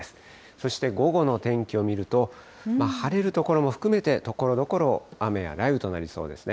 そして午後の天気を見ると、晴れる所も含めてところどころ、雨や雷雨となりそうですね。